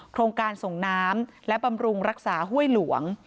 โครงการส่งน้ำและบำรุงรักษาห้วยหลวง